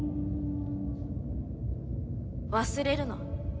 忘れるな。